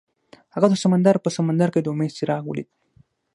هغه د سمندر په سمندر کې د امید څراغ ولید.